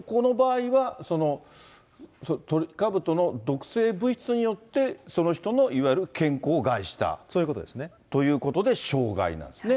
なるほど、この場合は、トリカブトの毒性物質によって、その人のいわゆる健康を害した？ということで傷害なんですね。